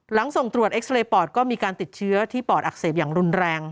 ส่งตรวจเอ็กซาเรย์ปอดก็มีการติดเชื้อที่ปอดอักเสบอย่างรุนแรง